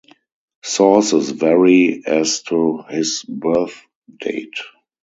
Sources vary as to his birth date.